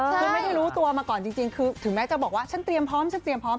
คือไม่ได้รู้ตัวมาก่อนจริงคือถึงแม้จะบอกว่าฉันเตรียมพร้อมฉันเตรียมพร้อม